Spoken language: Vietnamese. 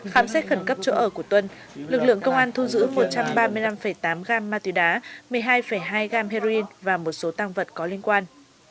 khám xét khẩn cấp chỗ ở của tuân lực lượng công an thu giữ một trăm ba mươi năm tám gam ma túy đá một mươi hai hai gam heroin và một số tăng vật có liên quan